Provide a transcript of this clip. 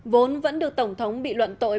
vốn vẫn được tổng thống bị luận tội